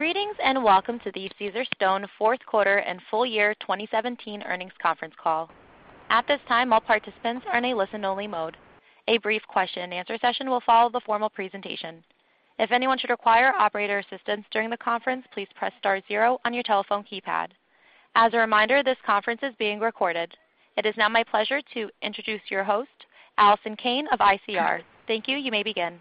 Greetings. Welcome to the Caesarstone fourth quarter and full year 2017 earnings conference call. At this time, all participants are in a listen-only mode. A brief question and answer session will follow the formal presentation. If anyone should require operator assistance during the conference, please press star zero on your telephone keypad. As a reminder, this conference is being recorded. It is now my pleasure to introduce your host, Alison Kane of ICR. Thank you. You may begin.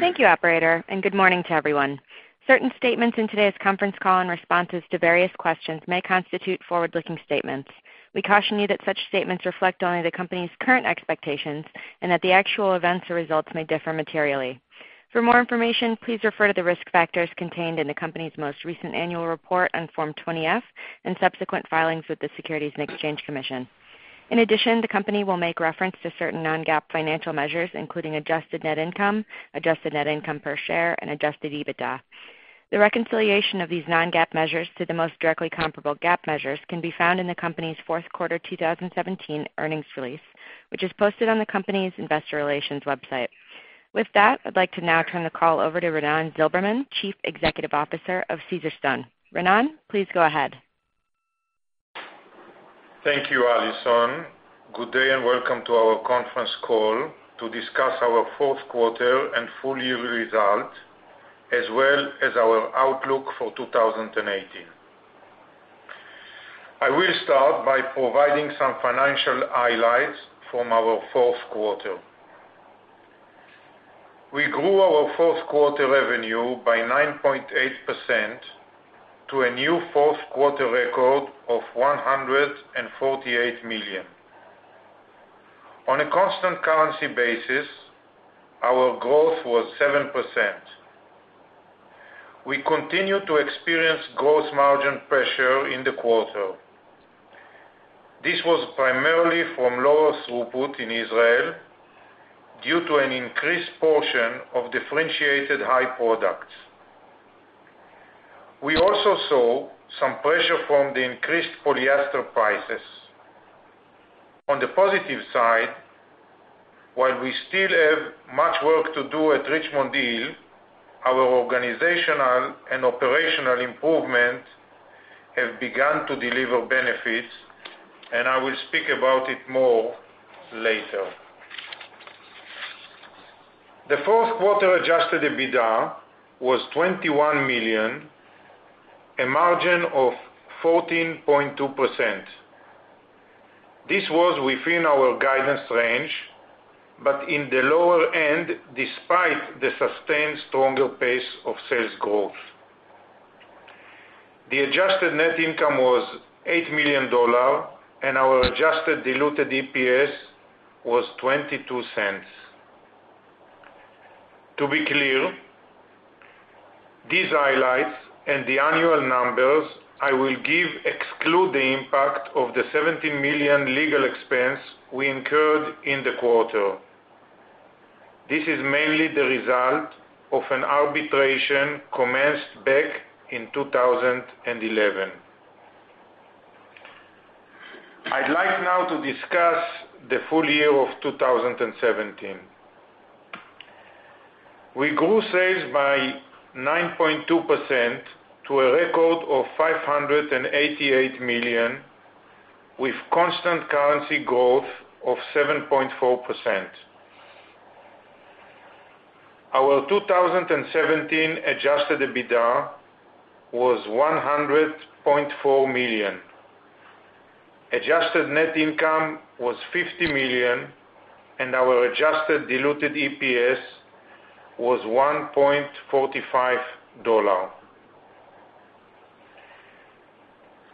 Thank you, operator. Good morning to everyone. Certain statements in today's conference call and responses to various questions may constitute forward-looking statements. We caution you that such statements reflect only the company's current expectations and that the actual events or results may differ materially. For more information, please refer to the risk factors contained in the company's most recent annual report on Form 20-F and subsequent filings with the Securities and Exchange Commission. In addition, the company will make reference to certain non-GAAP financial measures, including adjusted net income, adjusted net income per share, and adjusted EBITDA. The reconciliation of these non-GAAP measures to the most directly comparable GAAP measures can be found in the company's fourth quarter 2017 earnings release, which is posted on the company's investor relations website. With that, I'd like to now turn the call over to Raanan Zilberman, Chief Executive Officer of Caesarstone. Raanan, please go ahead. Thank you, Alison. Good day. Welcome to our conference call to discuss our fourth quarter and full year results, as well as our outlook for 2018. I will start by providing some financial highlights from our fourth quarter. We grew our fourth quarter revenue by 9.8% to a new fourth-quarter record of $148 million. On a constant currency basis, our growth was 7%. We continued to experience gross margin pressure in the quarter. This was primarily from lower throughput in Israel due to an increased portion of differentiated high products. We also saw some pressure from the increased polyester prices. On the positive side, while we still have much work to do at Richmond Hill, our organizational and operational improvements have begun to deliver benefits. I will speak about it more later. The fourth quarter adjusted EBITDA was $21 million, a margin of 14.2%. This was within our guidance range, but in the lower end, despite the sustained stronger pace of sales growth. The adjusted net income was $8 million, and our adjusted diluted EPS was $0.22. To be clear, these highlights and the annual numbers I will give exclude the impact of the $70 million legal expense we incurred in the quarter. This is mainly the result of an arbitration commenced back in 2011. I'd like now to discuss the full year of 2017. We grew sales by 9.2% to a record of $588 million, with constant currency growth of 7.4%. Our 2017 adjusted EBITDA was $100.4 million. Adjusted net income was $50 million, and our adjusted diluted EPS was $1.45.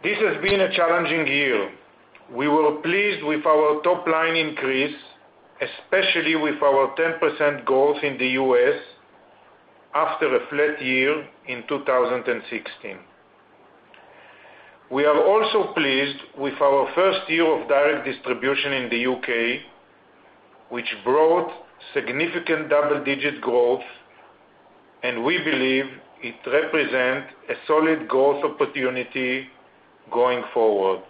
This has been a challenging year. We were pleased with our top-line increase, especially with our 10% growth in the U.S. after a flat year in 2016. We are also pleased with our first year of direct distribution in the U.K., which brought significant double-digit growth, and we believe it represents a solid growth opportunity going forward.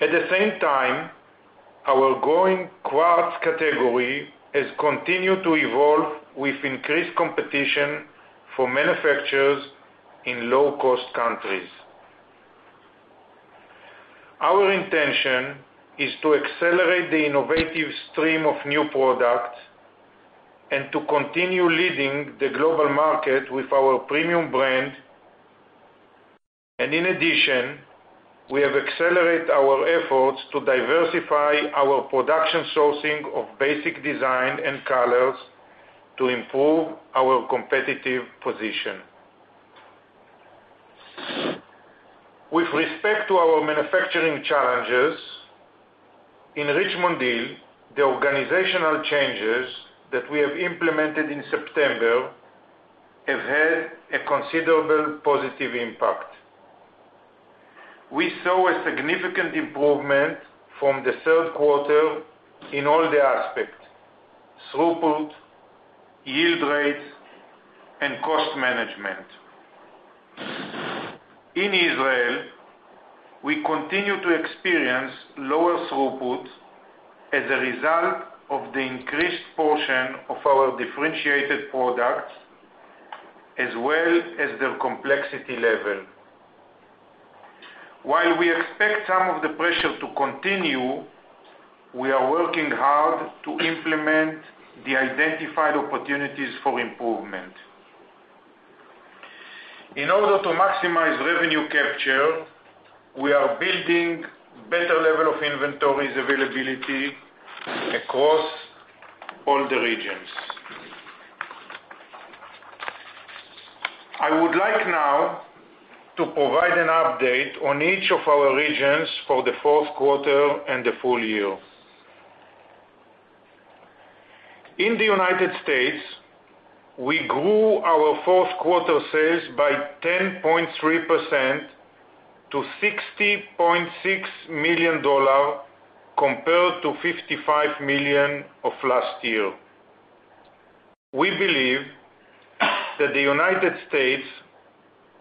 At the same time, our growing quartz category has continued to evolve with increased competition for manufacturers in low-cost countries. Our intention is to accelerate the innovative stream of new products and to continue leading the global market with our premium brand. In addition, we have accelerated our efforts to diversify our production sourcing of basic design and colors to improve our competitive position. With respect to our manufacturing challenges, in Richmond Hill, the organizational changes that we have implemented in September have had a considerable positive impact. We saw a significant improvement from the third quarter in all the aspects, throughput, yield rates, and cost management. In Israel, we continue to experience lower throughput as a result of the increased portion of our differentiated products, as well as their complexity level. While we expect some of the pressure to continue, we are working hard to implement the identified opportunities for improvement. In order to maximize revenue capture, we are building better level of inventories availability across all the regions. I would like now to provide an update on each of our regions for the fourth quarter and the full year. In the United States, we grew our fourth quarter sales by 10.3% to $60.6 million, compared to $55 million of last year. We believe that the United States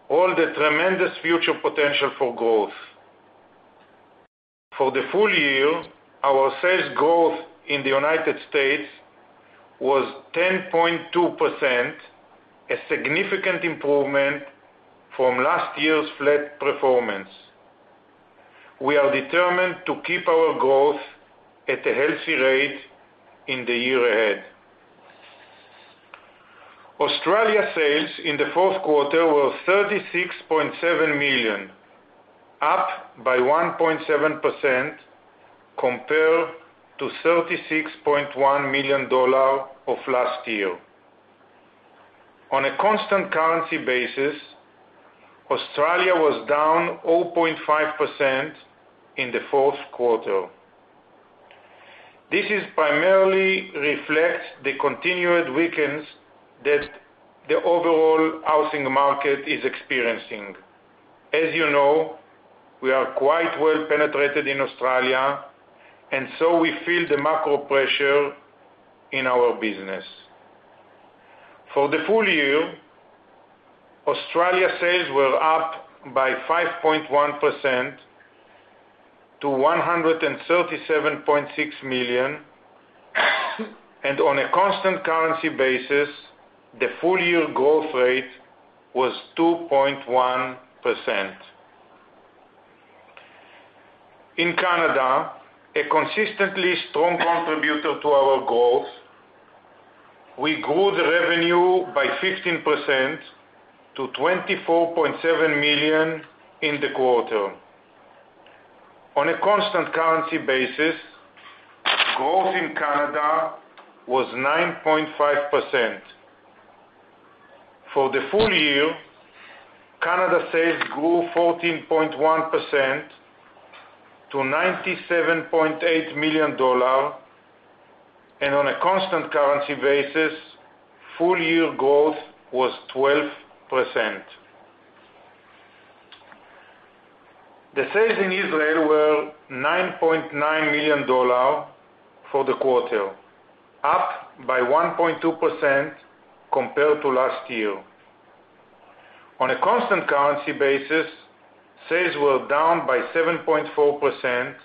hold a tremendous future potential for growth. For the full year, our sales growth in the United States was 10.2%, a significant improvement from last year's flat performance. We are determined to keep our growth at a healthy rate in the year ahead. Australia sales in the fourth quarter were $36.7 million, up by 1.7% compared to $36.1 million of last year. On a constant currency basis, Australia was down 0.5% in the fourth quarter. This primarily reflects the continued weakness that the overall housing market is experiencing. As you know, we are quite well-penetrated in Australia, and so we feel the macro pressure in our business. For the full year, Australia sales were up by 5.1% to $137.6 million, and on a constant currency basis, the full-year growth rate was 2.1%. In Canada, a consistently strong contributor to our growth, we grew the revenue by 15% to $24.7 million in the quarter. On a constant currency basis, growth in Canada was 9.5%. For the full year, Canada sales grew 14.1% to $97.8 million. On a constant currency basis, full-year growth was 12%. The sales in Israel were $9.9 million for the quarter, up by 1.2% compared to last year. On a constant currency basis, sales were down by 7.4%.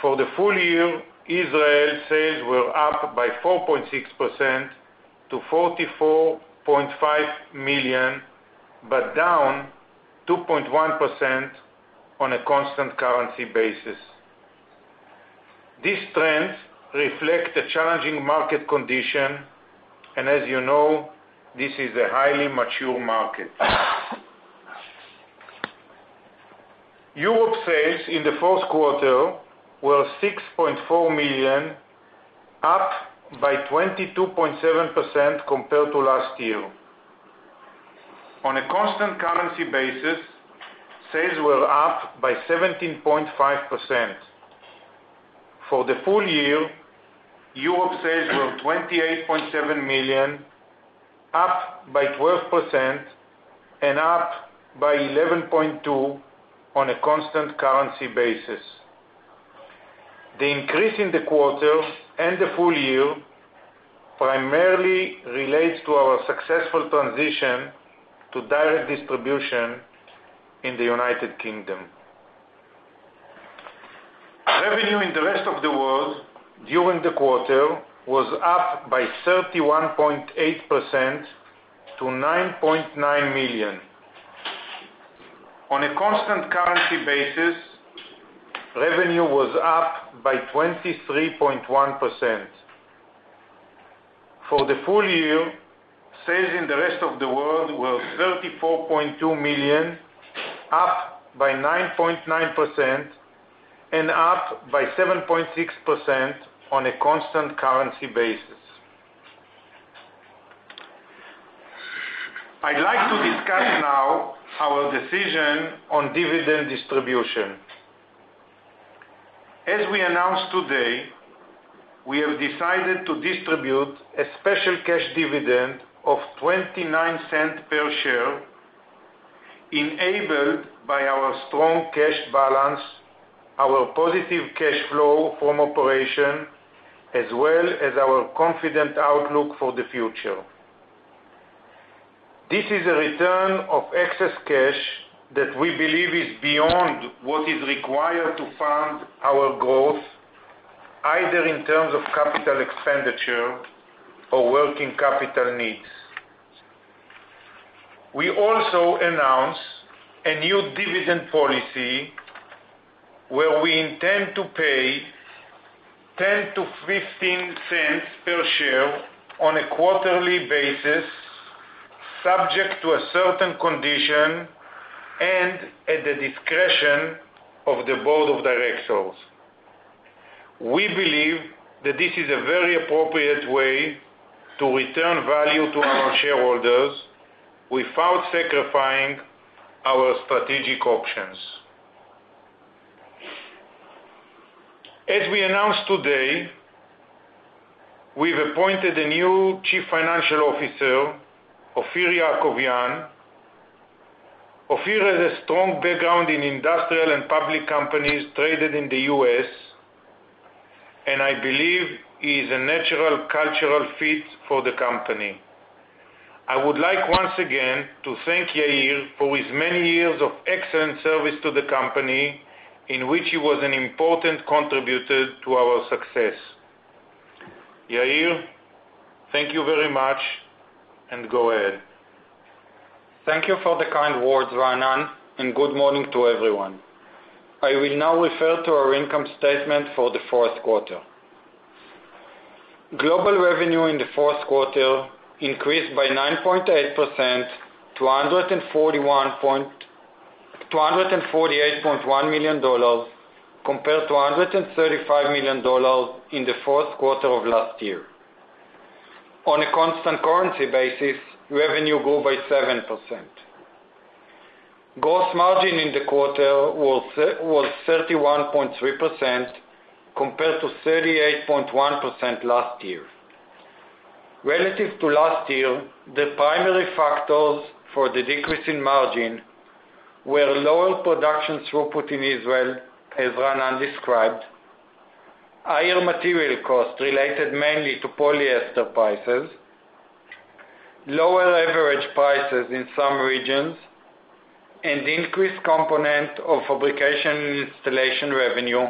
For the full year, Israel sales were up by 4.6% to $44.5 million, but down 2.1% on a constant currency basis. This trend reflects the challenging market condition, and as you know, this is a highly mature market. Europe sales in the fourth quarter were $6.4 million, up by 22.7% compared to last year. On a constant currency basis, sales were up by 17.5%. For the full year, Europe sales were $28.7 million, up by 12%, and up by 11.2% on a constant currency basis. The increase in the quarter and the full year primarily relates to our successful transition to direct distribution in the United Kingdom. Revenue in the rest of the world during the quarter was up by 31.8% to $9.9 million. On a constant currency basis, revenue was up by 23.1%. For the full year, sales in the rest of the world were $34.2 million, up by 9.9%, and up by 7.6% on a constant currency basis. I'd like to discuss now our decision on dividend distribution. As we announced today, we have decided to distribute a special cash dividend of $0.29 per share, enabled by our strong cash balance, our positive cash flow from operation, as well as our confident outlook for the future. This is a return of excess cash that we believe is beyond what is required to fund our growth, either in terms of capital expenditure or working capital needs. We also announced a new dividend policy, where we intend to pay $0.10 to $0.15 per share on a quarterly basis, subject to a certain condition and at the discretion of the board of directors. We believe that this is a very appropriate way to return value to our shareholders without sacrificing our strategic options. As we announced today, we've appointed a new Chief Financial Officer, Ophir Yakovian. Ophir has a strong background in industrial and public companies traded in the U.S., and I believe he is a natural cultural fit for the company. I would like once again to thank Yair for his many years of excellent service to the company, in which he was an important contributor to our success. Yair, thank you very much. Go ahead. Thank you for the kind words, Raanan, and good morning to everyone. I will now refer to our income statement for the fourth quarter. Global revenue in the fourth quarter increased by 9.8% to $148.1 million, compared to $135 million in the fourth quarter of last year. On a constant currency basis, revenue grew by 7%. Gross margin in the quarter was 31.3%, compared to 38.1% last year. Relative to last year, the primary factors for the decrease in margin were lower production throughput in Israel, as Raanan described, higher material costs related mainly to polyester prices, lower average prices in some regions, and increased component of fabrication and installation revenue,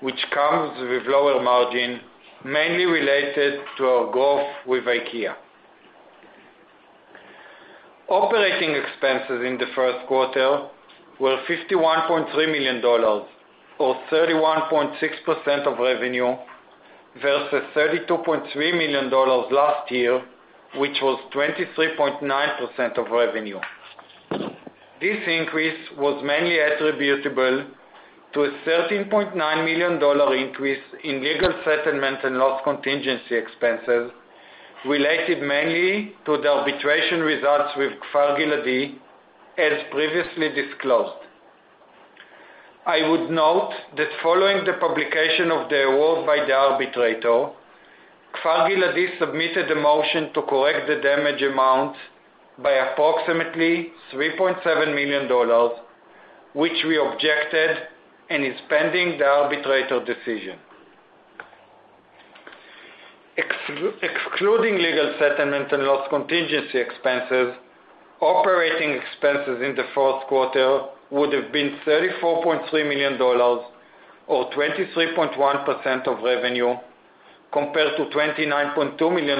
which comes with lower margin, mainly related to our growth with IKEA. Operating expenses in the fourth quarter were $51.3 million, or 31.6% of revenue, versus $32.3 million last year, which was 23.9% of revenue. This increase was mainly attributable to a $13.9 million increase in legal settlement and loss contingency expenses related mainly to the arbitration results with Kfar Giladi, as previously disclosed. I would note that following the publication of the award by the arbitrator, Kfar Giladi submitted a motion to correct the damage amount by approximately $3.7 million, which we objected and is pending the arbitrator decision. Excluding legal settlement and loss contingency expenses, operating expenses in the fourth quarter would've been $34.3 million or 23.1% of revenue compared to $29.2 million,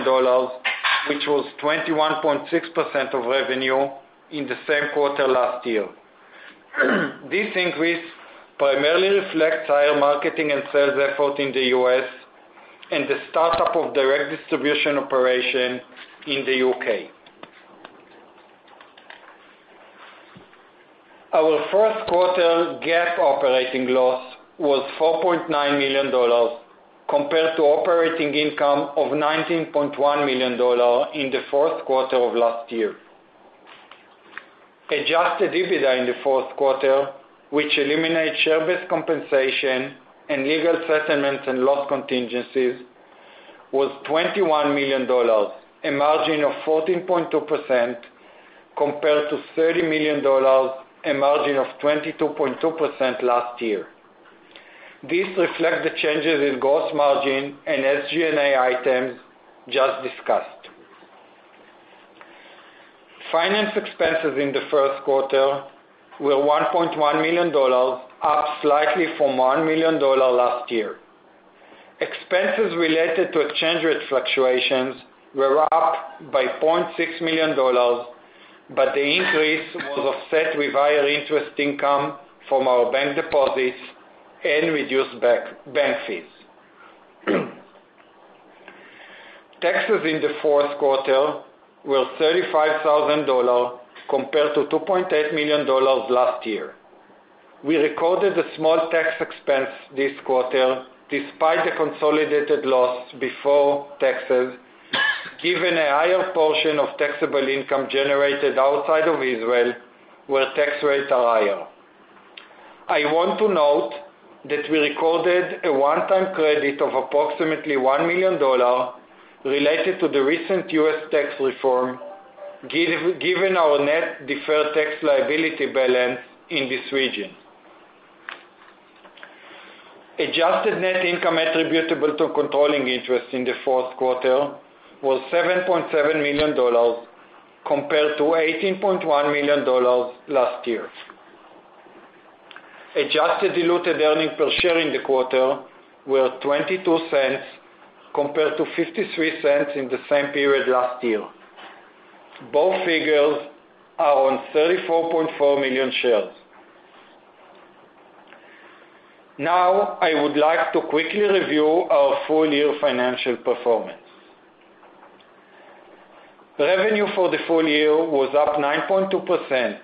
which was 21.6% of revenue in the same quarter last year. This increase primarily reflects higher marketing and sales effort in the U.S. and the startup of direct distribution operation in the U.K. Our fourth quarter GAAP operating loss was $4.9 million compared to operating income of $19.1 million in the fourth quarter of last year. Adjusted EBITDA in the fourth quarter, which eliminates share-based compensation and legal settlements and loss contingencies, was $21 million, a margin of 14.2%, compared to $30 million, a margin of 22.2% last year. This reflects the changes in gross margin and SGA items just discussed. Finance expenses in the fourth quarter were $1.1 million, up slightly from $1 million last year. Expenses related to exchange rate fluctuations were up by $0.6 million, the increase was offset with higher interest income from our bank deposits and reduced bank fees. Taxes in the fourth quarter were $35,000 compared to $2.8 million last year. We recorded a small tax expense this quarter despite the consolidated loss before taxes, given a higher portion of taxable income generated outside of Israel, where tax rates are higher. I want to note that we recorded a one-time credit of approximately $1 million related to the recent U.S. tax reform, given our net deferred tax liability balance in this region. Adjusted net income attributable to controlling interest in the fourth quarter was $7.7 million, compared to $18.1 million last year. Adjusted diluted earnings per share in the quarter were $0.22, compared to $0.53 in the same period last year. Both figures are on 34.4 million shares. I would like to quickly review our full-year financial performance. Revenue for the full year was up 9.2%,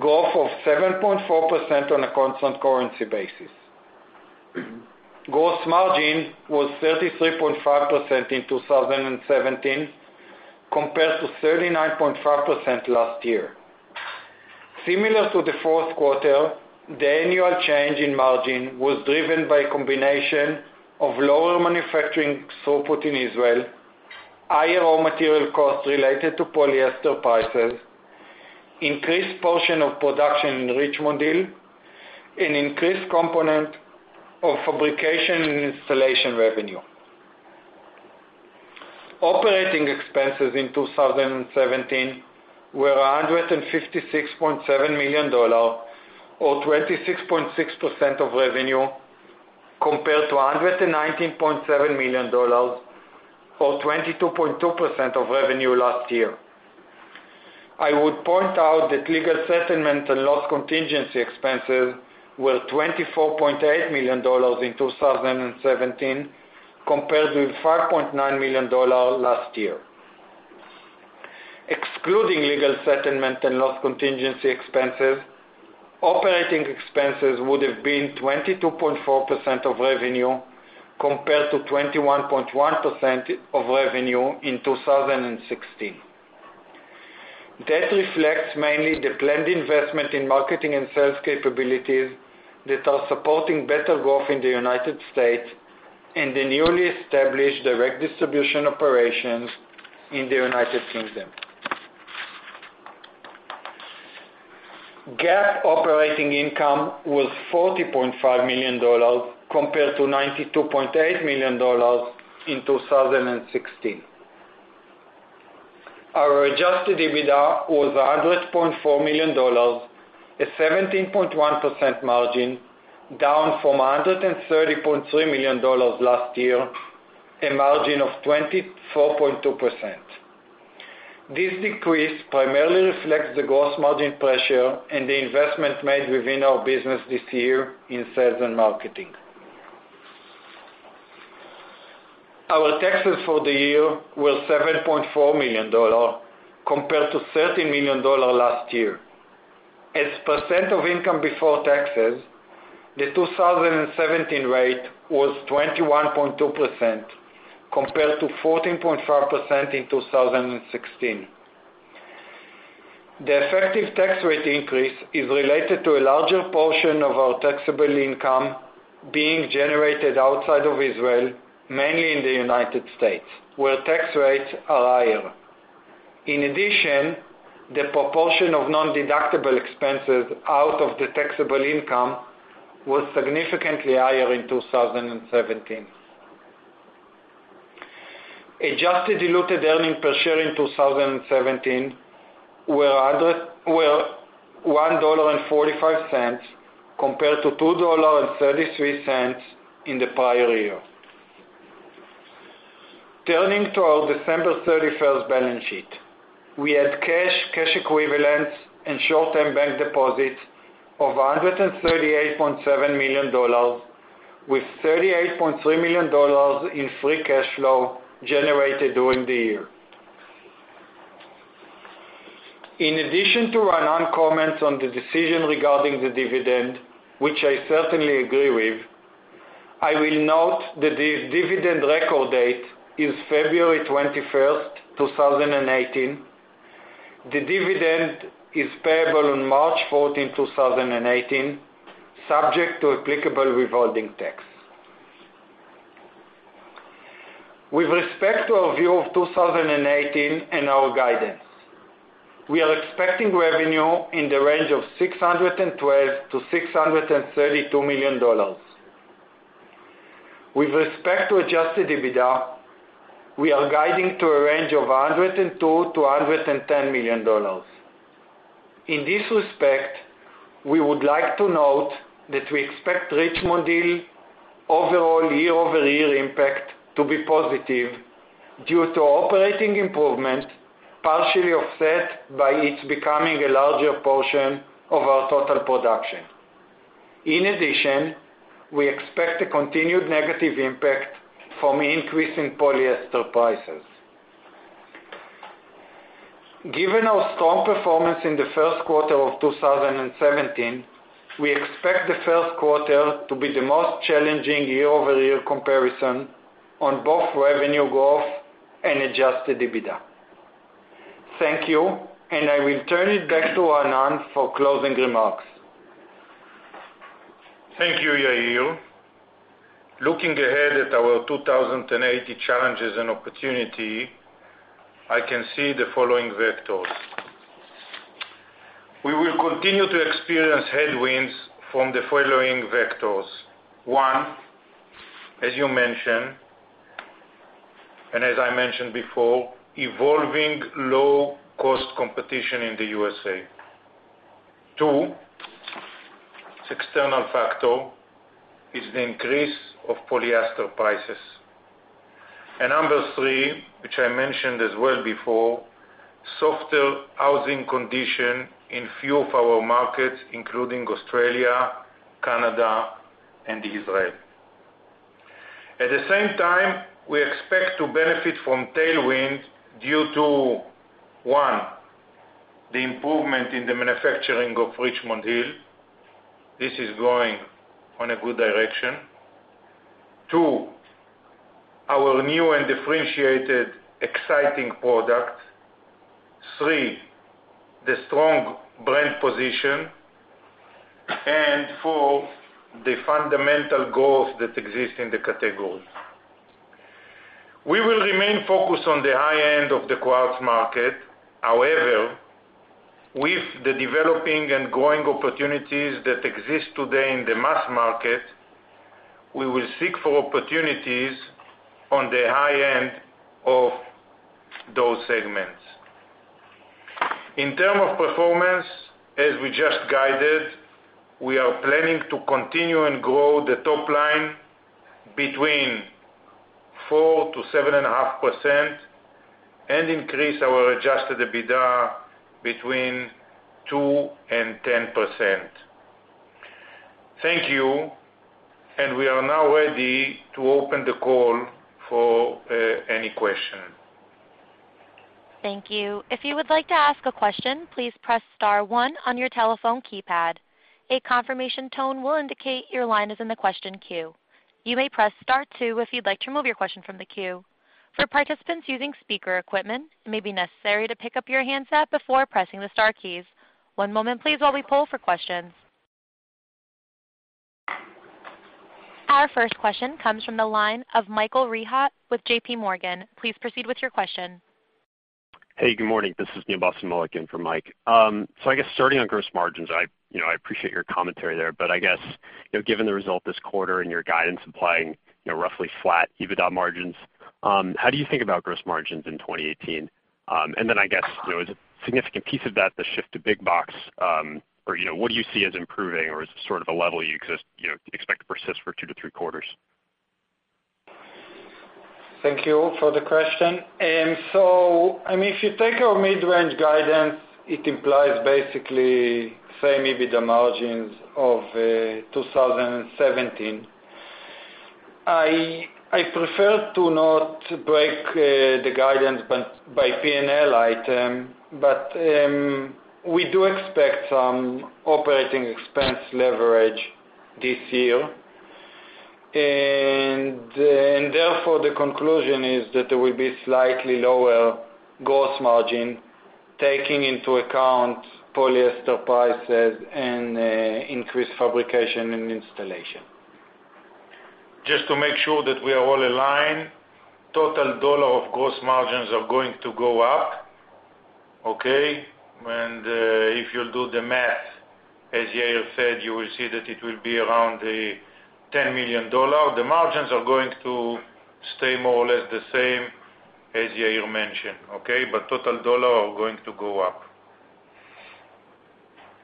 growth of 7.4% on a constant currency basis. Gross margin was 33.5% in 2017, compared to 39.5% last year. Similar to the fourth quarter, the annual change in margin was driven by a combination of lower manufacturing throughput in Israel, higher raw material costs related to polyester prices, increased portion of production in Richmond Hill, and increased component of fabrication and installation revenue. Operating expenses in 2017 were $156.7 million or 26.6% of revenue, compared to $119.7 million or 22.2% of revenue last year. I would point out that legal settlement and loss contingency expenses were $24.8 million in 2017, compared with $5.9 million last year. Excluding legal settlement and loss contingency expenses, operating expenses would've been 22.4% of revenue, compared to 21.1% of revenue in 2016. That reflects mainly the planned investment in marketing and sales capabilities that are supporting better growth in the U.S. and the newly established direct distribution operations in the U.K. GAAP operating income was $40.5 million compared to $92.8 million in 2016. Our adjusted EBITDA was $100.4 million, a 17.1% margin, down from $130.3 million last year, a margin of 24.2%. This decrease primarily reflects the gross margin pressure and the investment made within our business this year in sales and marketing. Our taxes for the year were $7.4 million, compared to $13 million last year. As % of income before taxes, the 2017 rate was 21.2% compared to 14.5% in 2016. The effective tax rate increase is related to a larger portion of our taxable income being generated outside of Israel, mainly in the U.S., where tax rates are higher. In addition, the proportion of non-deductible expenses out of the taxable income was significantly higher in 2017. Adjusted diluted earnings per share in 2017 were $1.45 compared to $2.33 in the prior year. Turning to our December 31st balance sheet, we had cash equivalents, and short-term bank deposits of $138.7 million, with $38.3 million in free cash flow generated during the year. In addition to Raanan's comments on the decision regarding the dividend, which I certainly agree with, I will note that the dividend record date is February 21st, 2018. The dividend is payable on March 14th, 2018, subject to applicable withholding tax. With respect to our view of 2018 and our guidance, we are expecting revenue in the range of $612 million-$632 million. With respect to adjusted EBITDA, we are guiding to a range of $102 million-$110 million. In this respect, we would like to note that we expect Richmond Hill overall year-over-year impact to be positive due to operating improvements, partially offset by its becoming a larger portion of our total production. In addition, we expect a continued negative impact from increase in polyester prices. Given our strong performance in the first quarter of 2017, we expect the first quarter to be the most challenging year-over-year comparison on both revenue growth and adjusted EBITDA. Thank you. I will turn it back to Raanan for closing remarks. Thank you, Yair. Looking ahead at our 2018 challenges and opportunity, I can see the following vectors. We will continue to experience headwinds from the following vectors. 1, as you mentioned, and as I mentioned before, evolving low-cost competition in the U.S.A. 2, it's external factor, is the increase of polyester prices. Number 3, which I mentioned as well before, softer housing condition in few of our markets, including Australia, Canada, and Israel. At the same time, we expect to benefit from tailwind due to, 1, the improvement in the manufacturing of Richmond Hill. This is going on a good direction. 2, our new and differentiated exciting product. 3, the strong brand position. 4, the fundamental growth that exists in the category. We will remain focused on the high end of the quartz market. With the developing and growing opportunities that exist today in the mass market, we will seek for opportunities on the high end of those segments. In terms of performance, as we just guided, we are planning to continue and grow the top line between 4%-7.5% and increase our adjusted EBITDA between 2% and 10%. Thank you. We are now ready to open the call for any question. Thank you. If you would like to ask a question, please press star one on your telephone keypad. A confirmation tone will indicate your line is in the question queue. You may press star two if you'd like to remove your question from the queue. For participants using speaker equipment, it may be necessary to pick up your handset before pressing the star keys. One moment please, while we poll for questions. Our first question comes from the line of Michael Rehaut with JP Morgan. Please proceed with your question. Hey, good morning. This is Neil Boston-Milliken for Mike. I guess starting on gross margins, I appreciate your commentary there. I guess, given the result this quarter and your guidance implying roughly flat EBITDA margins, how do you think about gross margins in 2018? Then, I guess, is a significant piece of that the shift to big box, or what do you see as improving? Or is it sort of a level you could expect to persist for two to three quarters? Thank you for the question. If you take our mid-range guidance, it implies basically same EBITDA margins of 2017. I prefer to not break the guidance by P&L item. We do expect some operating expense leverage this year. The conclusion is that there will be slightly lower gross margin taking into account polyester prices and increased fabrication and installation. Just to make sure that we are all aligned, total dollar of gross margins are going to go up, okay? If you'll do the math, as Yair said, you will see that it will be around the $10 million. The margins are going to stay more or less the same, as Yair mentioned. Okay? Total dollar are going to go up.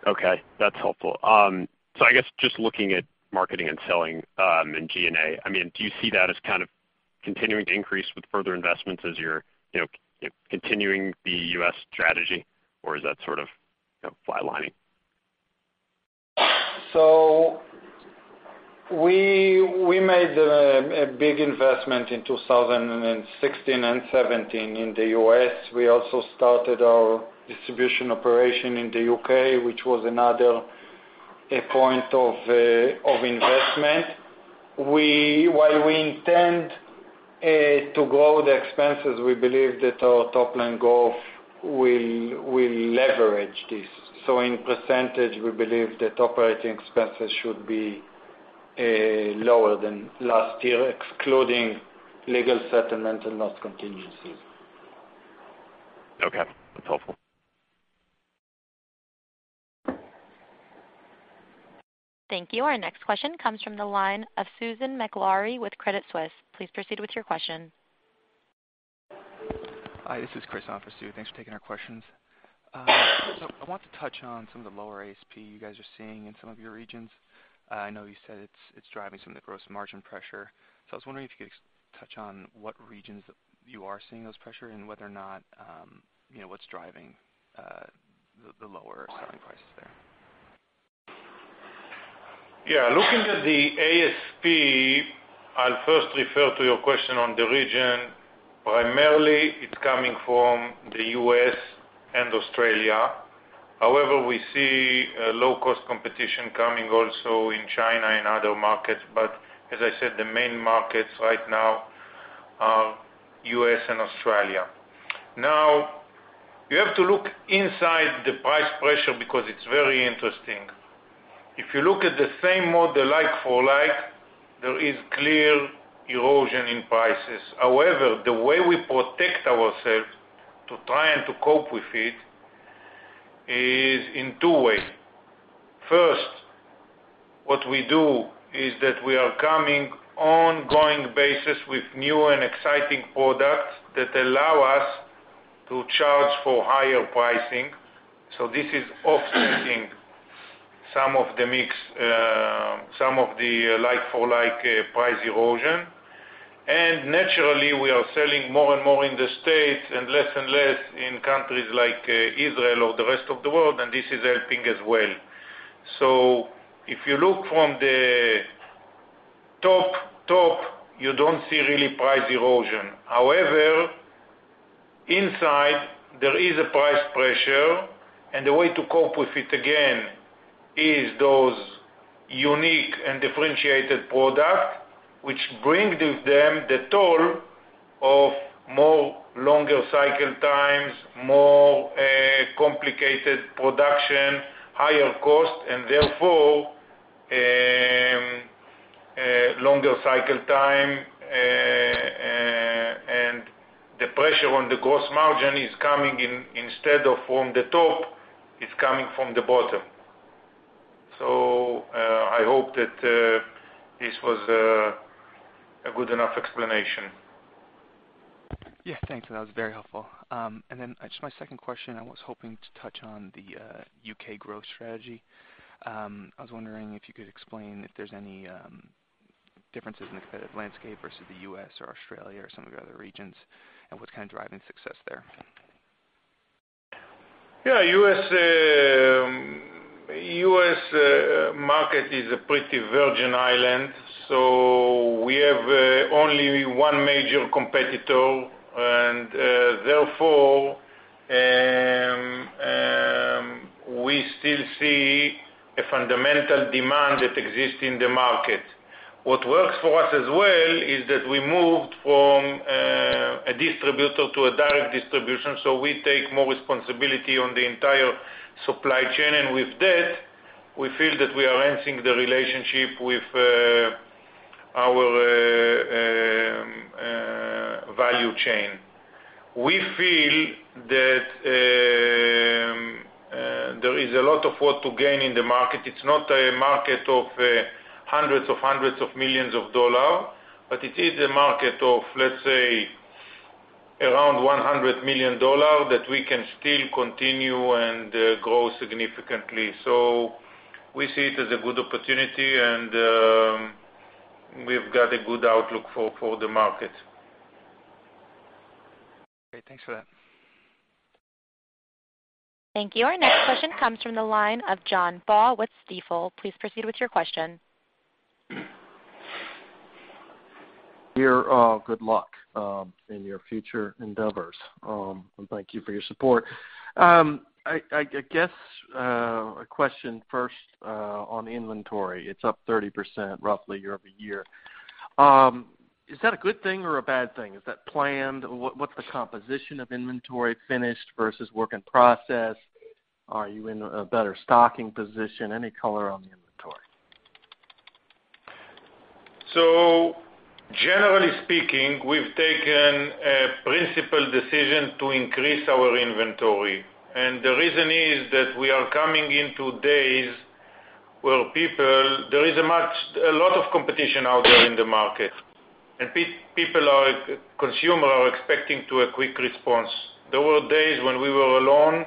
Okay, that's helpful. I guess just looking at marketing and selling, and G&A, do you see that as kind of continuing to increase with further investments as you're continuing the U.S. strategy? Or is that sort of flatlining? We made a big investment in 2016 and '17 in the U.S. We also started our distribution operation in the U.K., which was another point of investment. While we intend to grow the expenses, we believe that our top-line growth will leverage this. In percentage, we believe that operating expenses should be lower than last year, excluding legal settlement and loss contingencies. Okay. That's helpful. Thank you. Our next question comes from the line of Susan Maklari with Credit Suisse. Please proceed with your question. Hi, this is Chris on for Sue. Thanks for taking our questions. I want to touch on some of the lower ASP you guys are seeing in some of your regions. I know you said it's driving some of the gross margin pressure. I was wondering if you could touch on what regions you are seeing those pressure and whether or not, what's driving the lower selling prices there? Yeah. Looking at the ASP, I'll first refer to your question on the region. Primarily, it's coming from the U.S. and Australia. However, we see low-cost competition coming also in China and other markets. As I said, the main markets right now are U.S. and Australia. You have to look inside the price pressure because it's very interesting. If you look at the same model, like for like, there is clear erosion in prices. However, the way we protect ourselves to try and to cope with it is in two ways. First, what we do is that we are coming ongoing basis with new and exciting products that allow us to charge for higher pricing. This is offsetting some of the like for like price erosion. Naturally, we are selling more and more in the U.S. and less and less in countries like Israel or the rest of the world, this is helping as well. If you look from the top, you don't see really price erosion. However, inside there is a price pressure, and the way to cope with it again, is those unique and differentiated product which bring with them the toll of more longer cycle times, more complicated production, higher cost, and therefore, longer cycle time, and the pressure on the gross margin, instead of from the top, it's coming from the bottom. I hope that this was a good enough explanation. Yeah, thanks. That was very helpful. Then just my second question, I was hoping to touch on the U.K. growth strategy. I was wondering if you could explain if there's any differences in the competitive landscape versus the U.S. or Australia or some of the other regions, what's kind of driving success there? Yeah. U.S. market is a pretty virgin island. We have only one major competitor, therefore, we still see a fundamental demand that exists in the market. What works for us as well is that we moved from a distributor to a direct distribution, we take more responsibility on the entire supply chain, with that, we feel that we are entering the relationship with our value chain. We feel that there is a lot of what to gain in the market. It's not a market of hundreds of millions of dollars, but it is a market of, let's say, around $100 million that we can still continue and grow significantly. We see it as a good opportunity, we've got a good outlook for the market. Great. Thanks for that. Thank you. Our next question comes from the line of John Baugh with Stifel. Please proceed with your question. Yair, good luck in your future endeavors. Thank you for your support. I guess, a question first on inventory. It's up 30% roughly year-over-year. Is that a good thing or a bad thing? Is that planned? What's the composition of inventory finished versus work in process? Are you in a better stocking position? Any color on the inventory. Generally speaking, we've taken a principal decision to increase our inventory, and the reason is that we are coming into days where there is a lot of competition out there in the market. People, consumer, are expecting to a quick response. There were days when we were alone,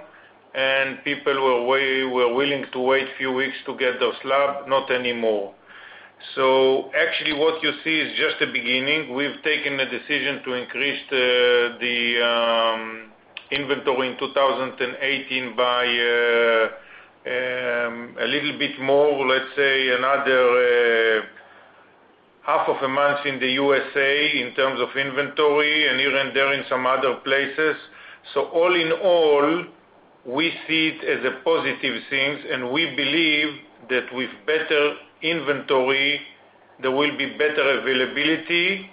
and people were willing to wait few weeks to get those slab, not anymore. Actually what you see is just a beginning. We've taken a decision to increase the inventory in 2018 by a little bit more, let's say another half of a month in the U.S.A. in terms of inventory and even there in some other places. All in all, we see it as a positive thing, and we believe that with better inventory, there will be better availability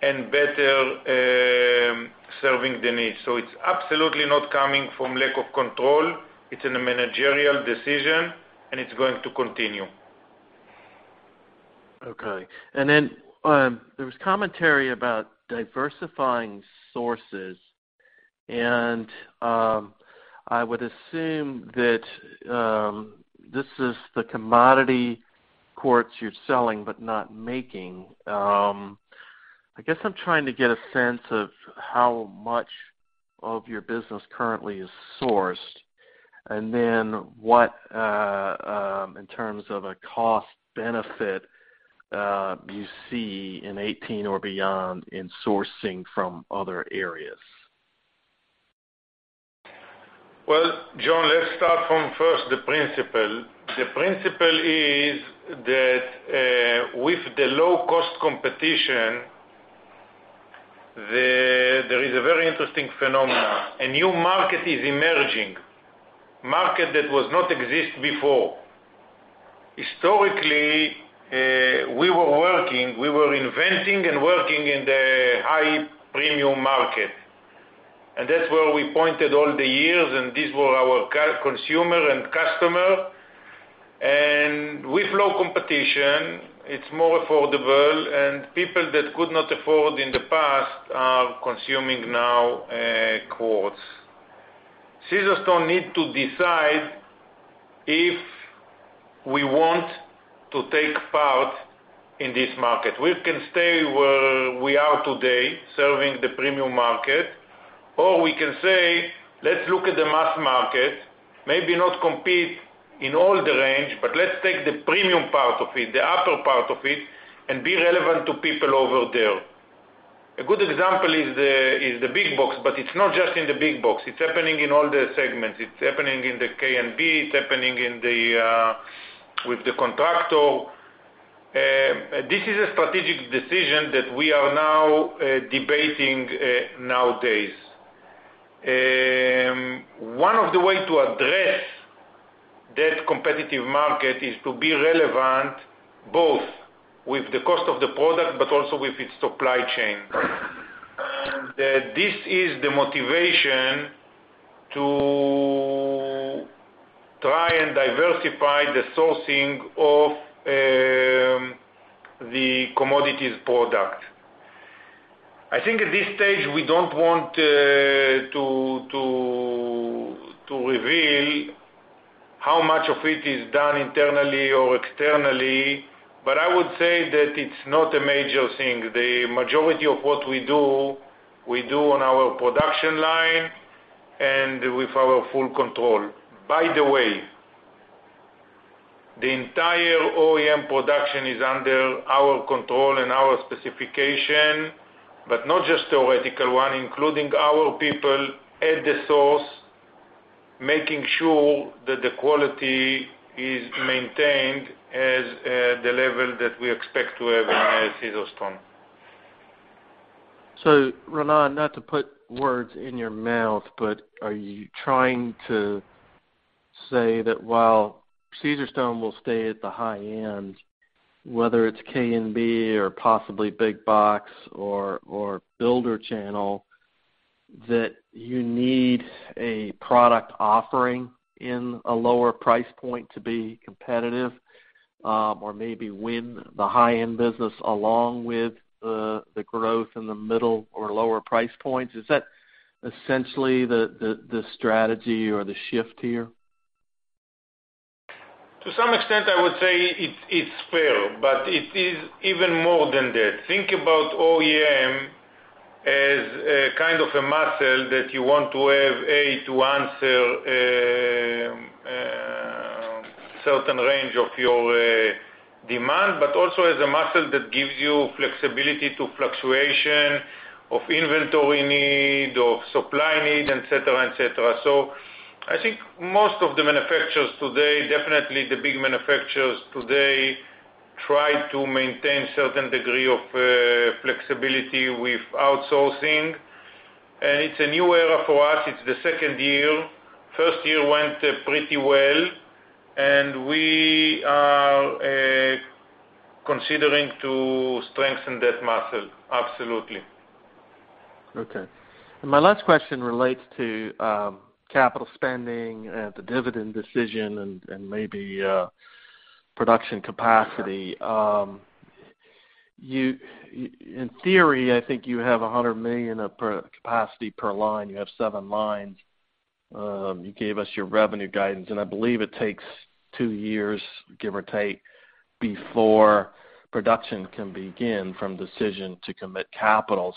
and better serving the needs. It's absolutely not coming from lack of control. It's a managerial decision, and it's going to continue. Okay. There was commentary about diversifying sources, and I would assume that this is the commodity quartz you're selling, but not making. I guess I'm trying to get a sense of how much of your business currently is sourced, and then what, in terms of a cost benefit, do you see in 2018 or beyond in sourcing from other areas? Well, John, let's start from first the principle. The principle is that, with the low-cost competition, there is a very interesting phenomenon. A new market is emerging, market that was not exist before. Historically. Inventing and working in the high premium market. That's where we pointed all the years, and these were our consumer and customer. With low competition, it's more affordable, and people that could not afford in the past are consuming now, quartz. Caesarstone need to decide if we want to take part in this market. We can stay where we are today, serving the premium market, or we can say, "Let's look at the mass market. Maybe not compete in all the range, but let's take the premium part of it, the upper part of it, and be relevant to people over there." A good example is the big box, but it's not just in the big box. It's happening in all the segments. It's happening in the K&B. It's happening with the contractor. This is a strategic decision that we are now debating nowadays. One of the way to address that competitive market is to be relevant, both with the cost of the product, but also with its supply chain. This is the motivation to try and diversify the sourcing of the commodities product. I think at this stage, we don't want to reveal how much of it is done internally or externally. I would say that it's not a major thing. The majority of what we do, we do on our production line and with our full control. By the way, the entire OEM production is under our control and our specification, but not just theoretical one, including our people at the source, making sure that the quality is maintained as the level that we expect to have in Caesarstone. Raanan, not to put words in your mouth, but are you trying to say that while Caesarstone will stay at the high-end, whether it's K&B or possibly big box or builder channel, that you need a product offering in a lower price point to be competitive? Or maybe win the high-end business along with the growth in the middle or lower price points. Is that essentially the strategy or the shift here? To some extent, I would say it's fair, but it is even more than that. Think about OEM as a kind of a muscle that you want to have to answer a certain range of your demand, but also as a muscle that gives you flexibility to fluctuation of inventory need, of supply need, et cetera. I think most of the manufacturers today, definitely the big manufacturers today, try to maintain certain degree of flexibility with outsourcing. It's a new era for us. It's the second year. First year went pretty well, and we are considering to strengthen that muscle, absolutely. Okay. My last question relates to capital spending and the dividend decision and maybe production capacity. In theory, I think you have 100 million of capacity per line. You have seven lines. You gave us your revenue guidance, and I believe it takes two years, give or take, before production can begin from decision to commit capital.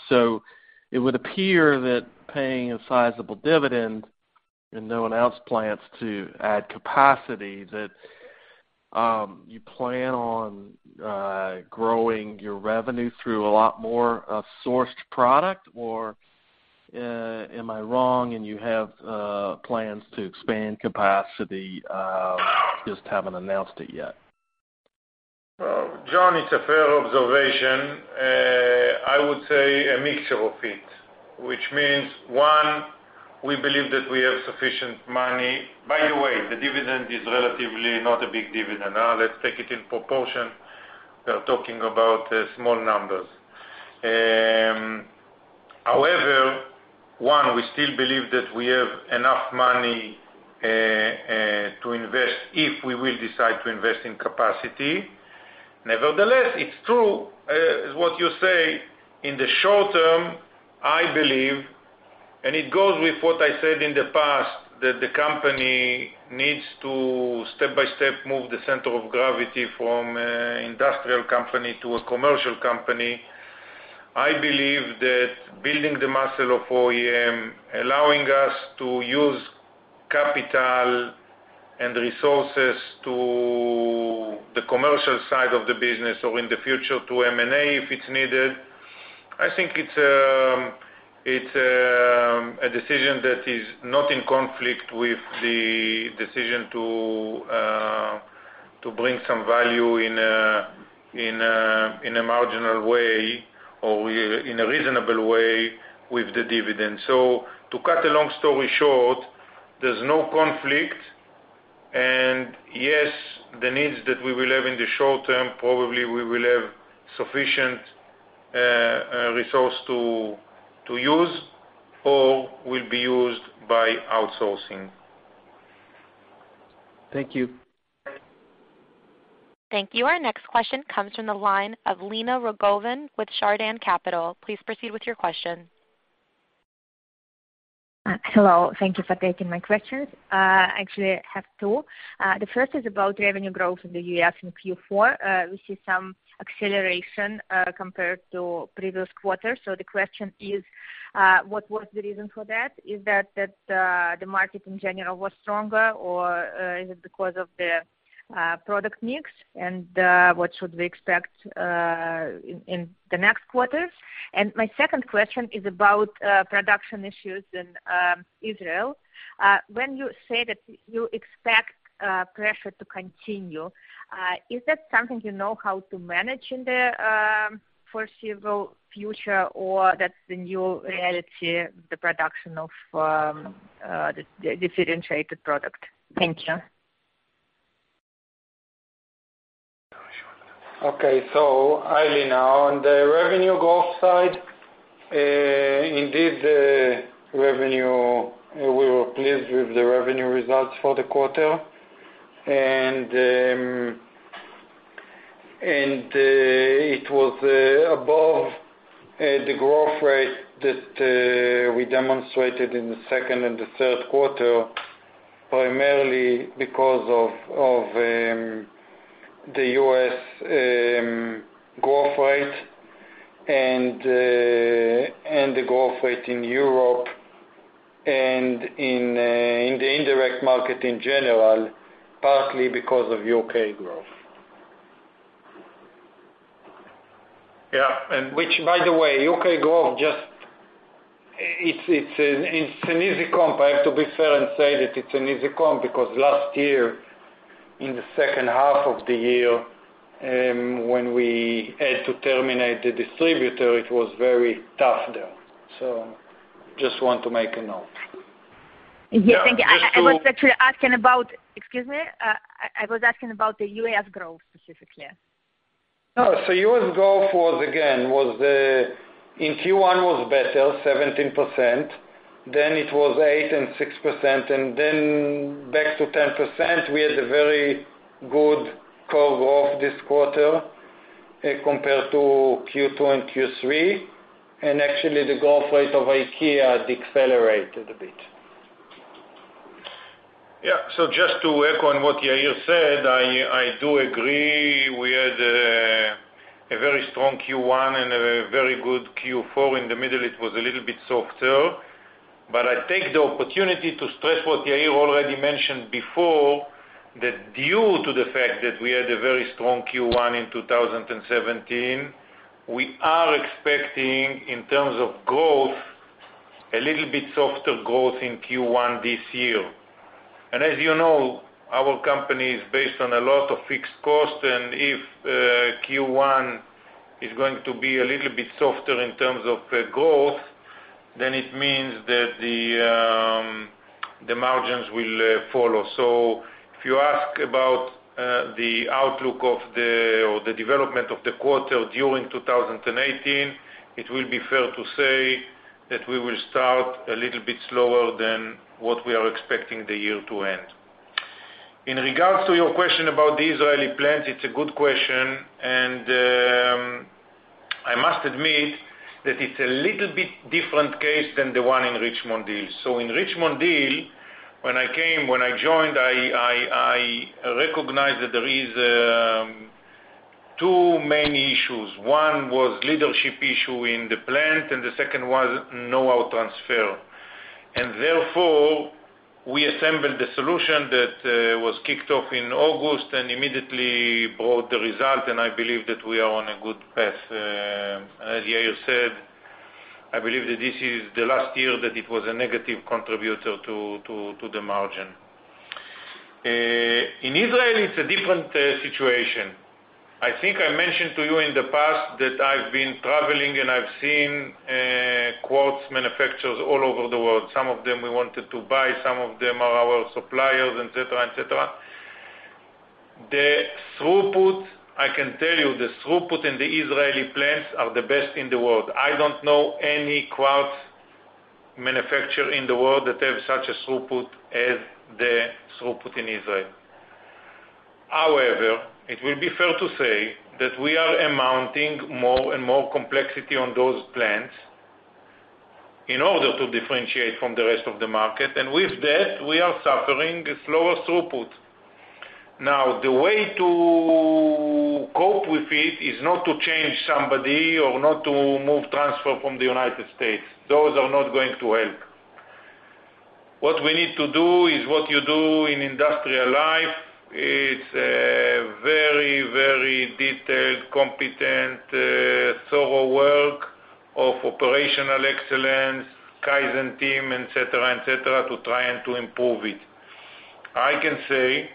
It would appear that paying a sizable dividend, and no one else plans to add capacity, that you plan on growing your revenue through a lot more of sourced product? Am I wrong, and you have plans to expand capacity, just haven't announced it yet? Well, John, it's a fair observation. I would say a mixture of it, which means, one, we believe that we have sufficient money. By the way, the dividend is relatively not a big dividend. Let's take it in proportion. We are talking about small numbers. However, one, we still believe that we have enough money to invest if we will decide to invest in capacity. Nevertheless, it's true, as what you say, in the short term, I believe, and it goes with what I said in the past, that the company needs to step by step move the center of gravity from industrial company to a commercial company. I believe that building the muscle of OEM, allowing us to use capital and resources to the commercial side of the business or in the future to M&A if it's needed. I think it's a decision that is not in conflict with the decision to bring some value in a marginal way or in a reasonable way with the dividend. To cut a long story short, there's no conflict. Yes, the needs that we will have in the short term, probably we will have sufficient resource to use or will be used by outsourcing. Thank you. Thank you. Our next question comes from the line of Lena Rogovin with Chardan Capital. Please proceed with your question. Hello. Thank you for taking my questions. Actually, I have two. The first is about revenue growth in the U.S. in Q4. We see some acceleration, compared to previous quarters. The question is, what was the reason for that? Is that the market in general was stronger, or is it because of the product mix, and what should we expect in the next quarters? My second question is about production issues in Israel. When you say that you expect pressure to continue, is that something you know how to manage in the foreseeable future, or that's the new reality, the production of the differentiated product? Thank you. Okay. Hi, Lena. On the revenue growth side, indeed, we were pleased with the revenue results for the quarter. It was above the growth rate that we demonstrated in the second and the third quarter, primarily because of the U.S. growth rate and the growth rate in Europe and in the indirect market in general, partly because of U.K. growth. Yeah. Which, by the way, U.K. growth, it's an easy comp. I have to be fair and say that it's an easy comp, because last year, in the second half of the year, when we had to terminate the distributor, it was very tough there. Just want to make a note. Yeah. Thank you. I was actually asking about the U.S. growth specifically. Oh. U.S. growth, again, in Q1 was better, 17%. It was eight and 6%, back to 10%. We had a very good curve off this quarter compared to Q2 and Q3. Actually, the growth rate of IKEA decelerated a bit. Just to echo on what Yair said, I do agree. We had a very strong Q1 and a very good Q4. In the middle, it was a little bit softer. I take the opportunity to stress what Yair already mentioned before, that due to the fact that we had a very strong Q1 in 2017, we are expecting, in terms of growth, a little bit softer growth in Q1 this year. As you know, our company is based on a lot of fixed cost, and if Q1 is going to be a little bit softer in terms of growth, then it means that the margins will follow. If you ask about the outlook or the development of the quarter during 2018, it will be fair to say that we will start a little bit slower than what we are expecting the year to end. In regards to your question about the Israeli plant, it's a good question, and I must admit that it's a little bit different case than the one in Richmond Hill. In Richmond Hill, when I joined, I recognized that there is two main issues. One was leadership issue in the plant, the second was knowhow transfer. Therefore, we assembled a solution that was kicked off in August and immediately brought the result, and I believe that we are on a good path. As Yair said, I believe that this is the last year that it was a negative contributor to the margin. In Israel, it's a different situation. I think I mentioned to you in the past that I've been traveling, and I've seen quartz manufacturers all over the world. Some of them we wanted to buy. Some of them are our suppliers, et cetera. The throughput, I can tell you, the throughput in the Israeli plants are the best in the world. I don't know any quartz manufacturer in the world that have such a throughput as the throughput in Israel. However, it will be fair to say that we are amounting more and more complexity on those plants in order to differentiate from the rest of the market. With that, we are suffering a slower throughput. Now, the way to cope with it is not to change somebody or not to move transfer from the United States. Those are not going to help. What we need to do is what you do in industrial life. It's a very detailed, competent, thorough work of operational excellence, Kaizen team, et cetera, to try and to improve it. I can say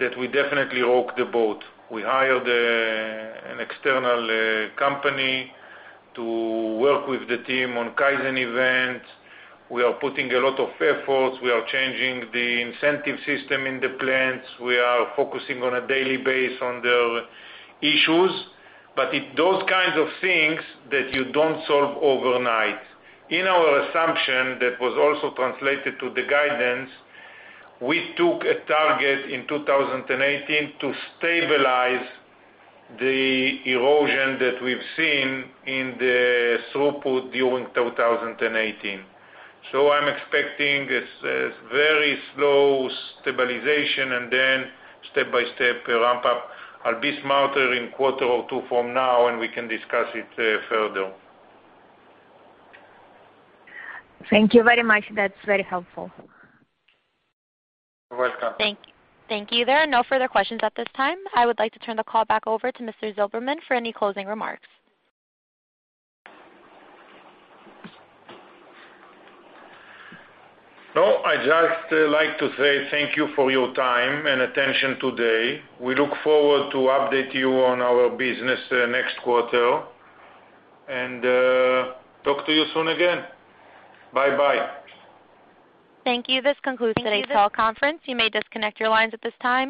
that we definitely rock the boat. We hired an external company to work with the team on Kaizen events. We are putting a lot of efforts. We are changing the incentive system in the plants. We are focusing on a daily base on the issues. It those kinds of things that you don't solve overnight. In our assumption, that was also translated to the guidance, we took a target in 2018 to stabilize the erosion that we've seen in the throughput during 2018. I'm expecting a very slow stabilization and then step-by-step ramp up. I'll be smarter in quarter or two from now, and we can discuss it further. Thank you very much. That's very helpful. You're welcome. Thank you. There are no further questions at this time. I would like to turn the call back over to Mr. Zilberman for any closing remarks. I'd just like to say thank you for your time and attention today. We look forward to update you on our business next quarter and talk to you soon again. Bye. Thank you. This concludes today's call conference. You may disconnect your lines at this time.